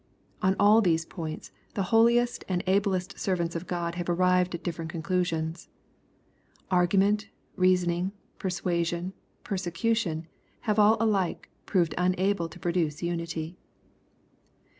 On all these points the holiest and ablest servants of God have arrived at different conclusions. Argument, reasoning, persuasion, persecution, have all alike proved unable to produce unity.